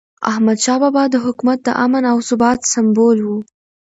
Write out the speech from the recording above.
احمدشاه بابا د حکومت د امن او ثبات سمبول و.